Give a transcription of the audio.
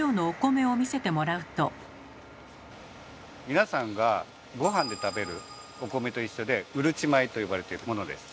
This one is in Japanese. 皆さんがごはんで食べるお米と一緒で「うるち米」と呼ばれてるものです。